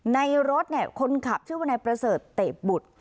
ในรถเนี่ยคนขับชื่อว่าในประเสริฐเตะบุตร